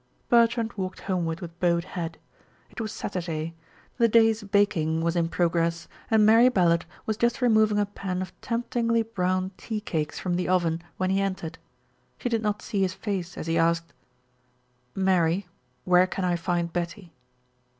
Bertrand walked homeward with bowed head. It was Saturday. The day's baking was in progress, and Mary Ballard was just removing a pan of temptingly browned tea cakes from the oven when he entered. She did not see his face as he asked, "Mary, where can I find Betty?"